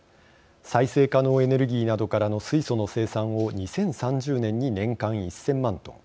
再生可能エネルギーなどからの水素の生産を２０３０年に年間１０００万トン